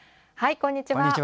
こんにちは。